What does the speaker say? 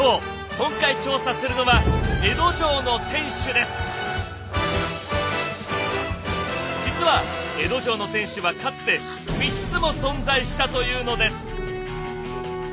今回調査するのは実は江戸城の天守はかつて３つも存在したというのです！